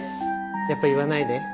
やっぱ言わないで。